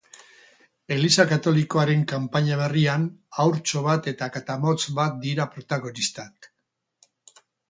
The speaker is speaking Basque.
Eliza katolikoaren kanpaina berrian haurtxo bat eta katamotz bat dira protagonistak.